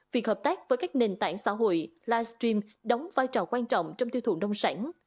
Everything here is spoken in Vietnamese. việc hợp tác với các nền tảng xã hội livestream đóng vai trò quan trọng trong tiêu thụ nông sản